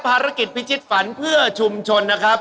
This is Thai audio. ภารกิจพิชิตฝันเพื่อชุมชนนะครับ